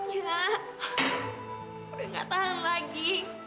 ya udah gak tahan lagi